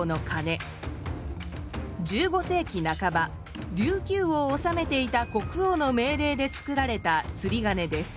１５世紀半ば琉球を治めていた国王の命令でつくられたつりがねです。